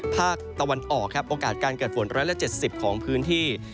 ภาคตะวันออกครับโอกาสการเกิดฝน๑๗๐ของพื้นที่